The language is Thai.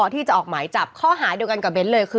ที่จะออกหมายจับข้อหาเดียวกันกับเน้นเลยคือ